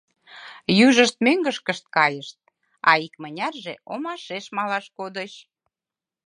Южышт мӧҥгышкышт кайышт, а икмынярже омашеш малаш кодыч.